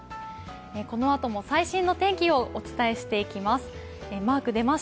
このあとも最新の天気をお伝えしていきます。